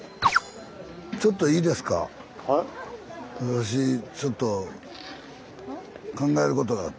私ちょっと考えることがあって。